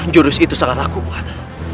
jurus itu sangatlah kuat